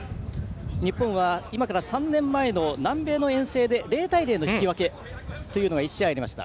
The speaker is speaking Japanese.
日本は今から３年前の南米の遠征で０対０の引き分けというのが１試合ありました。